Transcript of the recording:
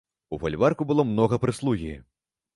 У фальварку было многа прыслугі.